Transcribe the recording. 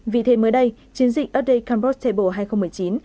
vì thế mới đây chiến dịch earth day compact table hai nghìn một mươi chín